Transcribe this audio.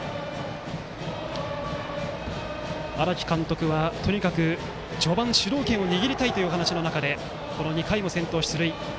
荒木監督はとにかく序盤で主導権を握りたいという中でこの２回も先頭、出塁。